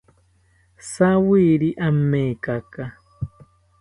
Jawiri amekaka